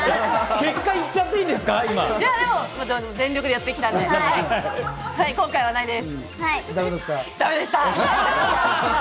結果、今いっちゃっていいんでも全力でやってきたんで後悔はないです。